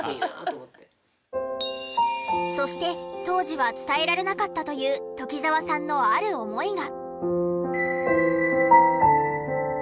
そして当時は伝えられなかったという鴇澤さんのある思いが。